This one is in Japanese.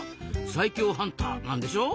最強ハンターなんでしょ？